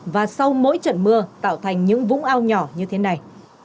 và sau mỗi trận mưa tạo thành những vũng ao nhỏ như thế này